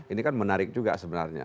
ini kan menarik juga sebenarnya